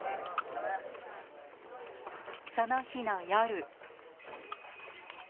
その日の夜。